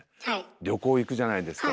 旅行行くじゃないですか。